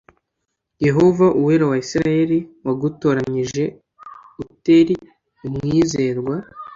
Yehova Uwera wa Isirayeli wagutoranyije uteri umwizerwa